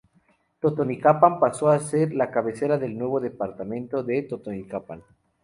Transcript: Totonicapán pasó así a ser la cabecera del nuevo departamento de Totonicapán.